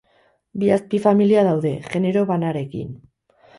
Bi azpifamilia daude, genero banarekin.